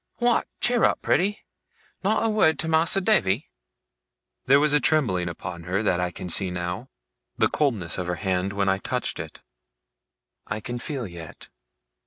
What, cheer up, pretty! Not a wured to Mas'r Davy?' There was a trembling upon her, that I can see now. The coldness of her hand when I touched it, I can feel yet.